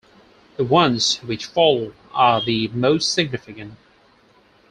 The ones which follow are the most significant.